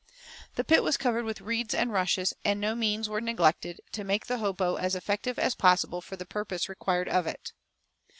The pit was covered with reeds and rushes; and no means were neglected to make the hopo as effective as possible for the purpose required of it.